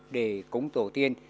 để cúng tổ tiên